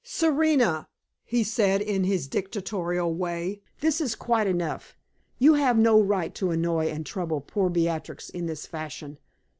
"Serena," he said, in his dictatorial way, "this is quite enough; you have no right to annoy and trouble poor Beatrix in this fashion.